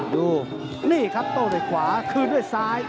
ดูนี่ครับโต้ด้วยขวาคืนด้วยซ้าย